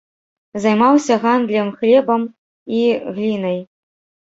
Займаўся гандлем хлебам і глінай.